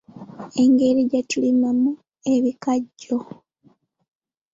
Engeri gye tulimamu ebikajjo.